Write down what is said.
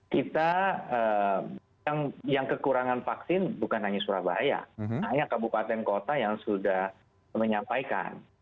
kita yang kekurangan vaksin bukan hanya surabaya hanya kabupaten kota yang sudah menyampaikan